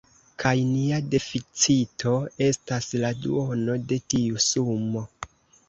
Kaj nia deficito estas la duono de tiu sumo.